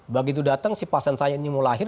begitu datang si pasien saya ini mau lahir